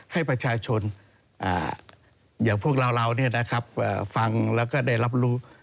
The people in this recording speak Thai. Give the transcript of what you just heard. ให้ประชาชนอย่างพวกเราเนี่ยนะครับฟังแล้วก็ได้รับรู้